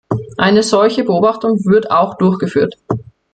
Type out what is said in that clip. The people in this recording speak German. Eine solche Beobachtung wird auch durchgeführt.